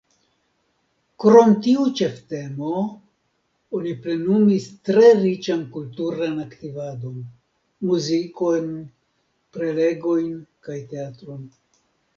Krom tiu ĉeftemo, oni plenumis tre riĉan kulturan aktivadon: muzikon, prelegojn kaj teatron.